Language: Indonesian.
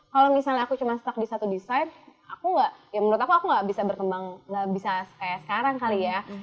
kalau misalnya aku cuma stuck di satu desain aku nggak ya menurut aku aku gak bisa berkembang nggak bisa kayak sekarang kali ya